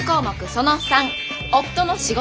その③夫の仕事。